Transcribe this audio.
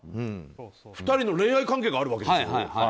２人の恋愛関係があるわけでしょ。